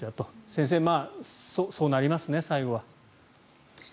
先生、そうなりますね、最後は。